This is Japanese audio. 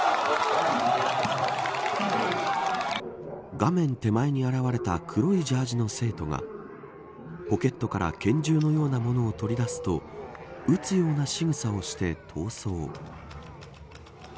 画面手前に現れた黒いジャージの生徒がポケットから拳銃のようなものを取り出すと撃つようなしぐさをして逃走。